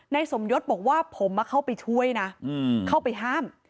สมยศบอกว่าผมเข้าไปช่วยนะเข้าไปห้าม